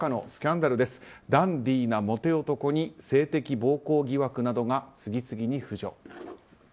ダンディーなモテ男に性的暴行疑惑などが次々に浮上。